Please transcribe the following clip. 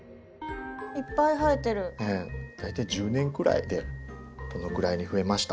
大体１０年くらいでこのくらいに増えました。